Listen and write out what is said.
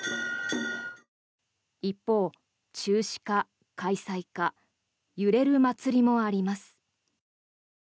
一方、中止か開催か揺れる祭りもあります。